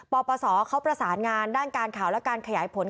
ปปศเขาประสานงานด้านการข่าวและการขยายผล